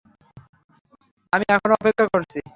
আমি এখনও অপেক্ষা করছি।